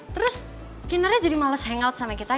terus kinerja jadi males hangout sama kita